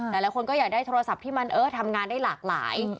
หลายคนก็อยากได้โทรศัพท์ที่มันทำงานได้หลากหลาย